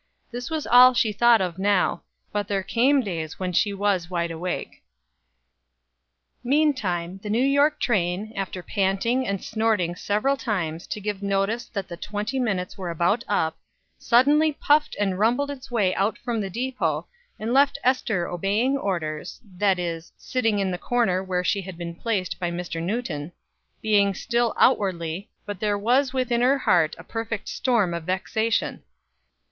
This was all she thought of now, but there came days when she was wide awake. Meantime the New York train, after panting and snorting several times to give notice that the twenty minutes were about up, suddenly puffed and rumbled its way out from the depot, and left Ester obeying orders, that is, sitting in the corner where she had been placed by Mr. Newton being still outwardly, but there was in her heart a perfect storm of vexation.